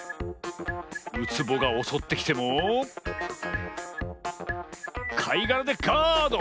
ウツボがおそってきてもかいがらでガード！